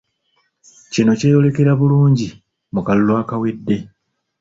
Kino kyeyolekera bulungi mu kalulu akawedde